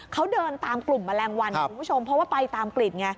เขาเดินตามกลุ่มแมลงวันคุณผู้ชมเพราะว่าไปตามกลิ่นไง